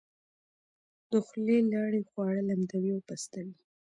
د خولې لاړې خواړه لمدوي او پستوي.